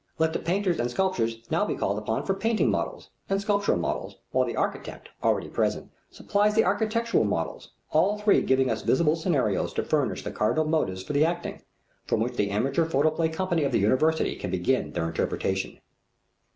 Let the painters and sculptors be now called upon for painting models and sculptural models, while the architect, already present, supplies the architectural models, all three giving us visible scenarios to furnish the cardinal motives for the acting, from which the amateur photoplay company of the university can begin their interpretation.